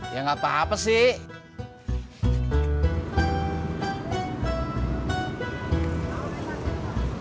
ya nggak apa apa sih